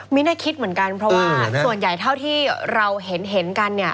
ไม่ได้คิดเหมือนกันเพราะว่าส่วนใหญ่เท่าที่เราเห็นกันเนี่ย